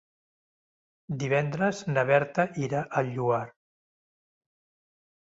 Divendres na Berta irà al Lloar.